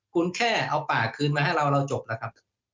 คุณแค่เอาปากคืนมาให้เราเราจบแล้วครับ